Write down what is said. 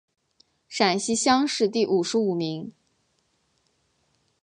陕西乡试第五十五名。